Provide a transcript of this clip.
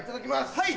はい！